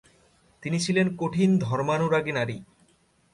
তিনি ছিলেন কঠিন ধর্মানুরাগী নারী।